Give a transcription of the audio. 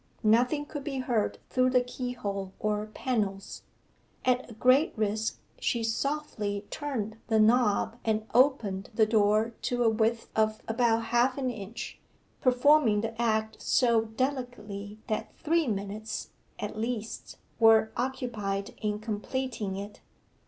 Nothing could be heard through the keyhole or panels. At a great risk she softly turned the knob and opened the door to a width of about half an inch, performing the act so delicately that three minutes, at least, were occupied in completing it.